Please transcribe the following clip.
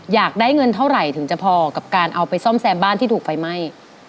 อยากได้เงินเท่าไหร่ถึงจะพอกับการเอาไปซ่อมแซมบ้านที่ถูกไฟไหม้